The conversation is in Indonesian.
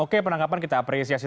oke penangkapan kita apresiasi